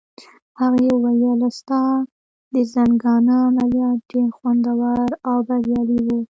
هغې وویل: ستا د زنګانه عملیات ډېر خوندور او بریالي وو.